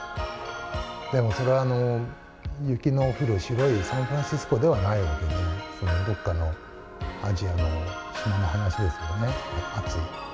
でもそれは、雪の降る白いサンフランシスコではないわけで、どこかのアジアの島の話ですよね、暑い。